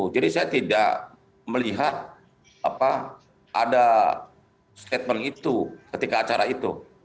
jadi saya tidak melihat ada statement itu ketika acara itu